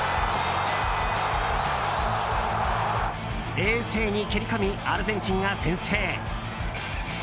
冷静に蹴り込みアルゼンチンが先制。